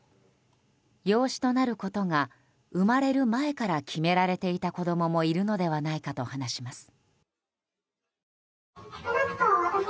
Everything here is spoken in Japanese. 養子となることが生まれる前から決められていた子供もいるのではないかと話します。